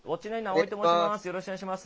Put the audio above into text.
お願いします。